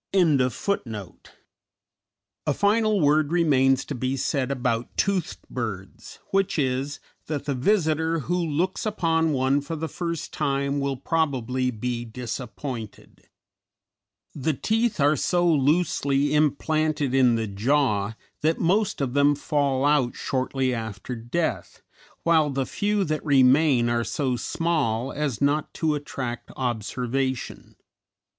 _ A final word remains to be said about toothed birds, which is, that the visitor who looks upon one for the first time will probably be disappointed. The teeth are so loosely implanted in the jaw that most of them fall out shortly after death, while the few that remain are so small as not to attract observation.